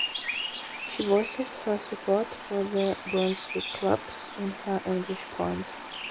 She voices her support for the Brunswick Clubs in her English poems.